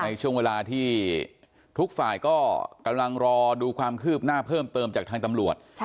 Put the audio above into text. ในช่วงเวลาที่ทุกฝ่ายก็กำลังรอดูความคืบหน้าเพิ่มเติมจากทางตำรวจ